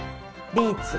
ビーツ。